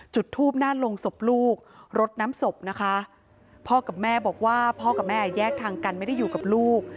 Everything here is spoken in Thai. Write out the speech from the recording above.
จุดทูบหน้าลงศพลูกรดน้ำศพนะคะพ่อกับแม่บอกว่าพ่อกับแม่แยกทางกันไม่ได้อยู่กับลูก